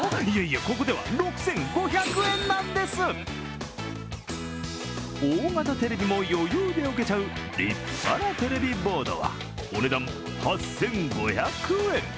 いえいえ、ここでは６５００円なんです大型テレビも余裕で置けちゃう立派なテレビボードはお値段８５００円。